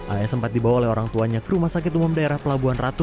as sempat dibawa oleh orang tuanya ke rumah sakit umum daerah pelabuhan ratu